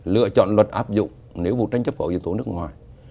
lựa chọn luật áp dụng nếu vụ tranh chấp vào yếu tố nước ngoài